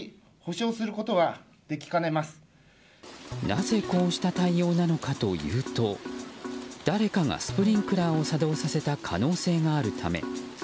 なぜこうした対応なのかというと誰かがスプリンクラーを作動させた可能性があるため。